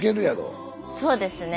そうですね。